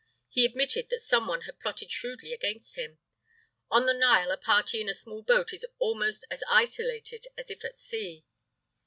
He admitted that someone had plotted shrewdly against him. On the Nile a party in a small boat is almost as isolated as if at sea.